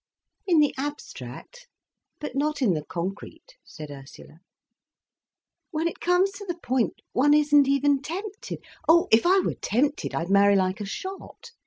"In the abstract but not in the concrete," said Ursula. "When it comes to the point, one isn't even tempted—oh, if I were tempted, I'd marry like a shot.